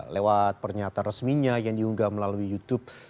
lewat pernyataan resminya yang diunggah melalui youtube